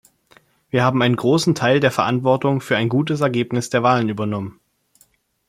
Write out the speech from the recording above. Wir haben einen großen Teil der Verantwortung für ein gutes Ergebnis der Wahlen übernommen.